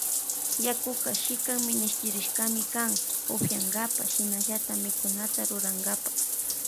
Yakuka shikan minishtirishkami kan upiyankapa shinallata mikunata rurankapa.